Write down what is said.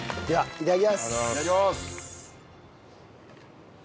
いただきます。